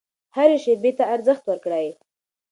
هرې شیبې ته ارزښت ورکړئ.